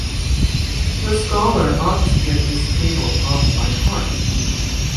The scholar ought to get this table off by heart.